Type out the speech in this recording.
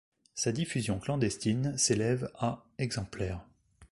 Sa diffusion clandestine s'élève à exemplaires.